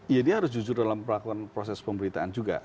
iya dia harus jujur dalam perlakuan proses pemberitaan juga